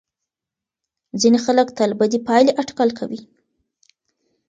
ځینې خلک تل بدې پایلې اټکل کوي.